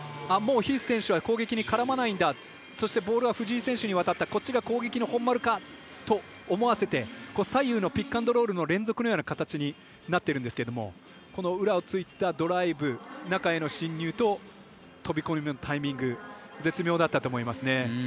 もうヒース選手は攻撃に絡まないんだそしてボールは藤井選手にわたったこっちが攻撃の本丸かと思わせて左右のピックアンドロールの連続のような形になっているんですけれども裏をついたドライブ、中への侵入と飛び込みのタイミング絶妙だったと思いますね。